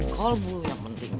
kolbu yang penting